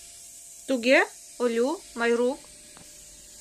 Туге, Олю, Майрук?